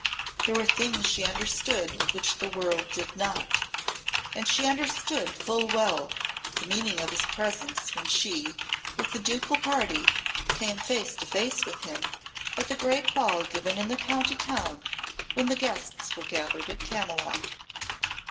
There were things she understood which the world did not, and she understood full well the meaning of his presence when she, with the ducal party, came face to face with him at the great ball given in the county town when the guests were gathered at Camylott.